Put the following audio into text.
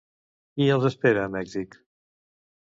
Qui els espera a Mèxic?